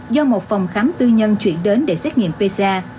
do một phòng khám tư nhân chuyển đến để xét nghiệm pc